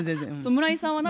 村井さんはな